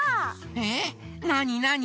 えっなになに？